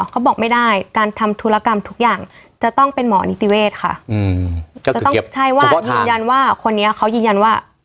เขาบอกไม่ได้การทำธุรกรรมทุกอย่างจะต้องเป็นหมอนิติเวศค่ะจะต้องใช่ว่ายืนยันว่าคนนี้เขายืนยันว่า